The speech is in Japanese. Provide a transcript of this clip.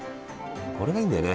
これがいいんだよね。